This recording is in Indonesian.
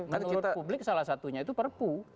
menurut publik salah satunya itu perpu